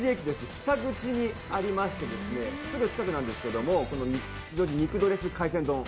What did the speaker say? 北口にありましてすぐ近くにありますけども吉祥寺・肉ドレス海鮮丼。